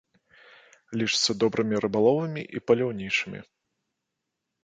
Лічацца добрымі рыбаловамі і паляўнічымі.